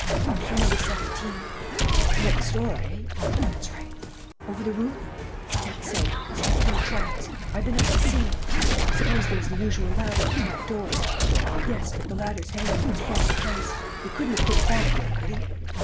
"Up through number seventeen." "Next door, eh?" "That's right." "Over the roof?" "Can't say; he's left no tracks. I been up to see." "I suppose there's the usual ladder and trapdoor?" "Yes, but the ladder's hanging in its proper place. He couldn't have put it back there, could he?"